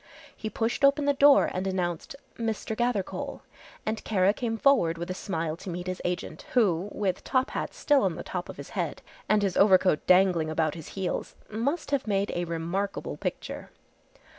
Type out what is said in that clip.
He pushed open the door and announced, "Mr. Gathercole," and Kara came forward with a smile to meet his agent, who, with top hat still on the top of his head, and his overcoat dangling about his heels, must have made a remarkable picture.